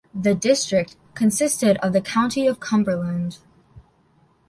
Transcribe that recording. The district consisted of the County of Cumberland.